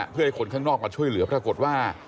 เพื่อให้คนข้างนอกมาช่วยเหลือปรากฏว่า